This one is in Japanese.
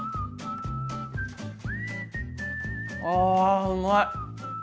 あうまい！